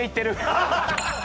ハハハハ！